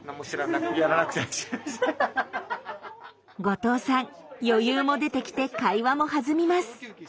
後藤さん余裕も出てきて会話も弾みます。